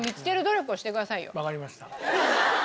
わかりました。